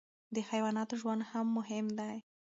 د حیواناتو ژوند هم مهم دی.